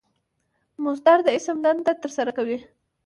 مصدر د اسم دنده ترسره کوي.